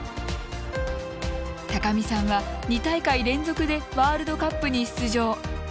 高見さんは２大会連続でワールドカップに出場。